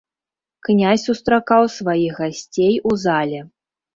Князь сустракаў сваіх гасцей у зале.